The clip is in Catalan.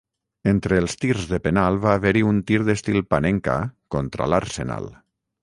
Entre els tirs de penal va haver-hi un tir d'estil "Panenka" contra l'Arsenal.